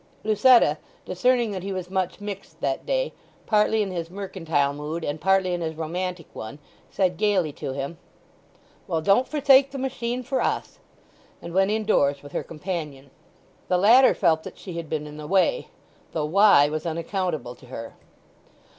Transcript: Lucetta, discerning that he was much mixed that day, partly in his mercantile mood and partly in his romantic one, said gaily to him— "Well, don't forsake the machine for us," and went indoors with her companion. The latter felt that she had been in the way, though why was unaccountable to her.